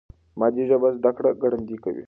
مادي ژبه زده کړه ګړندۍ کوي.